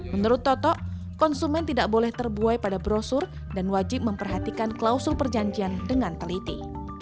menurut toto konsumen tidak boleh terbuai pada brosur dan wajib memperhatikan klausul perjanjian dengan teliti